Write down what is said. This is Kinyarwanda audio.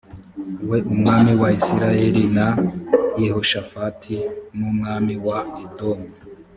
we umwami wa isirayeli na yehoshafati n umwami wa edomu